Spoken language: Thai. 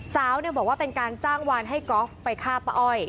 สาวบอกว่าเป็นการจ้างวานให้กอล์ฟไปฆ่าป้าอ้อย